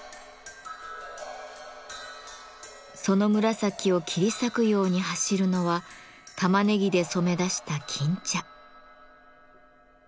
その紫を切り裂くように走るのはたまねぎで染め出した金茶。